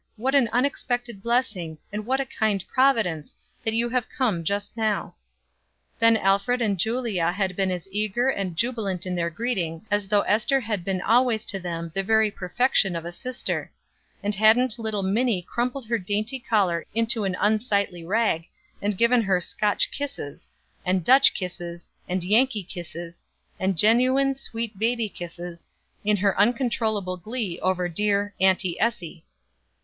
what an unexpected blessing, and what a kind providence, that you have come just now." Then Alfred and Julia had been as eager and jubilant in their greeting as though Ester had been always to them the very perfection of a sister; and hadn't little Minie crumpled her dainty collar into an unsightly rag, and given her "Scotch kisses," and "Dutch kisses," and "Yankee kisses," and genuine, sweet baby kisses, in her uncontrollable glee over dear "Auntie Essie."